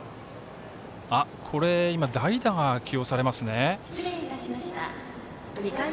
代打が起用されますね。